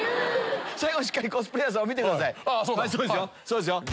最後しっかりコスプレーヤーさんを見てください。